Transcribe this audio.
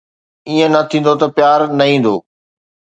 ائين نه ٿيندو ته پيار نه ايندو